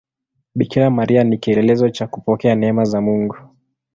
Bikira Maria ni kielelezo cha kupokea neema za Mungu.